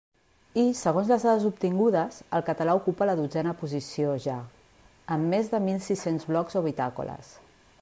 I, segons les dades obtingudes, el català ocupa la dotzena posició, ja, amb més de mil sis-cents blogs o bitàcoles.